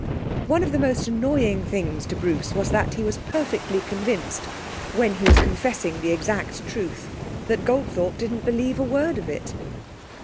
One of the most annoying things to Bruce was that he was perfectly convinced, when he was confessing the exact truth, that Goldthorpe didn't believe a word of it.